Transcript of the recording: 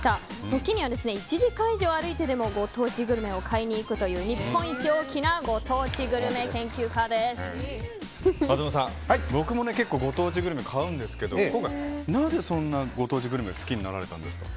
時には１時間以上歩いてもご当地グルメを買いに行くという日本一大きな学さん、僕も結構ご当地グルメを買うんですけどなぜそんなご当地グルメ好きになられたんですか。